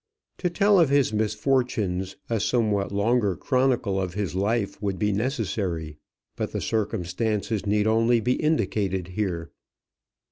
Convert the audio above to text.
To tell of his misfortunes a somewhat longer chronicle of his life would be necessary. But the circumstances need only be indicated here.